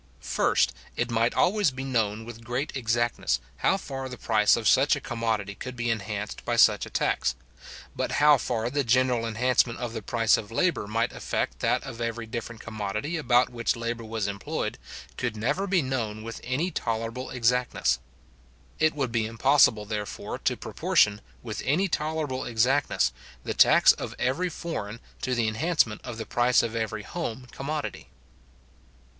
First, It might always be known with great exactness, how far the price of such a commodity could be enhanced by such a tax; but how far the general enhancement of the price of labour might affect that of every different commodity about which labour was employed, could never be known with any tolerable exactness. It would be impossible, therefore, to proportion, with any tolerable exactness, the tax of every foreign, to the enhancement of the price of every home commodity.